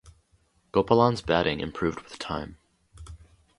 Gopalan's batting improved with time.